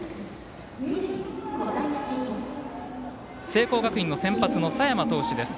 聖光学院の先発の佐山投手です。